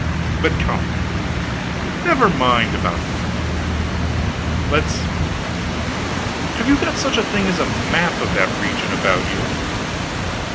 But come never mind about that; let's have you got such a thing as a map of that region about you?